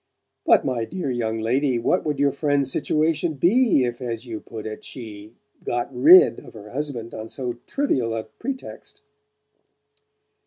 "But, my dear young lady what would your friend's situation be if, as you put it, she 'got rid' of her husband on so trivial a pretext?"